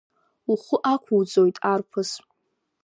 Ухы ақәуҵоит, арԥыс!